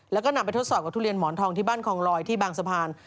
แล้วก็นำไปทดสอบกับทุเรียนหมอนทองที่บ้านคองลอยที่บางสะพาน